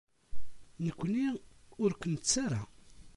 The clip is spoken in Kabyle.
Nekkni ur k-nettu ara.